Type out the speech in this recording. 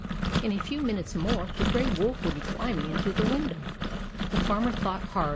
In a few minutes more the Grey Wolf would be climbing into the window. The Farmer thought hard.